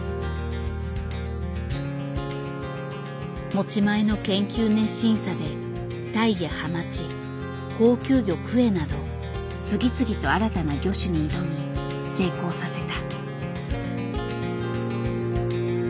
持ち前の研究熱心さでタイやハマチ高級魚クエなど次々と新たな魚種に挑み成功させた。